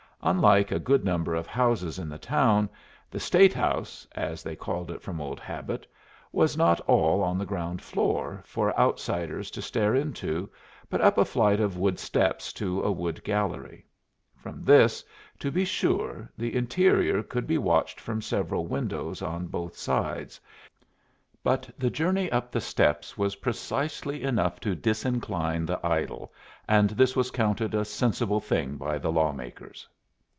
Unlike a good number of houses in the town, the State House (as they called it from old habit) was not all on the ground floor for outsiders to stare into, but up a flight of wood steps to a wood gallery. From this, to be sure, the interior could be watched from several windows on both sides; but the journey up the steps was precisely enough to disincline the idle, and this was counted a sensible thing by the law makers.